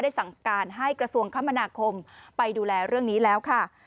สั่งการให้กระทรวงคมนาคมไปดูแลเรื่องนี้แล้วค่ะ